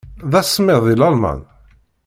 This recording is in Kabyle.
D asemmiḍ deg Lalman?